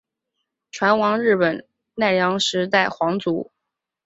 船王日本奈良时代皇族。